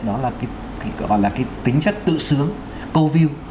đó là tính chất tự sướng co view